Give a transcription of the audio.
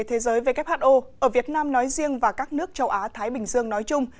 thế giới who ở việt nam nói riêng và các nước châu á thái bình dương nói chung